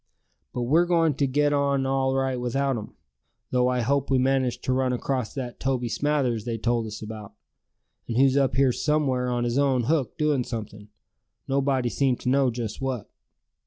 But we're going to get on all right without 'em; though I hope we manage to run across that Toby Smathers they told us about, and who's up here somewhere on his own hook doin' something, nobody seemed to know just what."